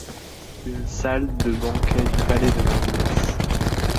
Une salle de banquet du palais de Macbeth.